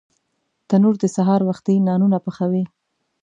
تنور د سهار وختي نانونه پخوي